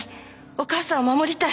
お母さんを守りたい。